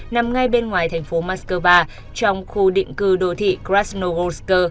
nằm ngay bên ngoài thành phố moscow trong khu định cư đồ thị krasnogorsk